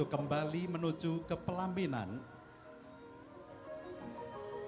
kembali menuju ke pelaminan